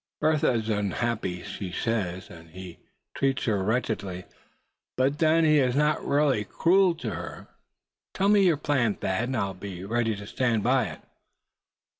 "Bertha is unhappy she says, and he treats her wretchedly; but then he is not really cruel to her. Tell me your plan, Thad, and I'll be ready to stand by it."